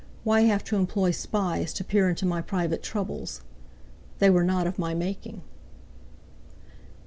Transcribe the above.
Why have to employ spies to peer into my private troubles? They were not of my making."